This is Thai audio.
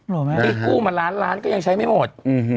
แม่ที่กู้มาล้านล้านก็ยังใช้ไม่หมด